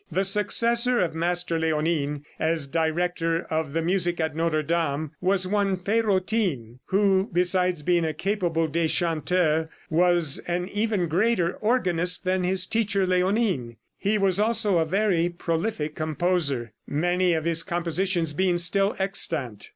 The successor of Master Léonin, as director of the music at Notre Dame, was one Pérotin, who, besides being a capable deschanteur, was an even greater organist than his teacher, Léonin. He was also a very prolific composer, many of his compositions being still extant.